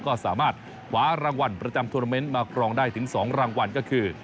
ก็สามารถคว้ารางวัลประจำทวนาเมนต์มากรองได้ถึง๒รางวัลก็คือ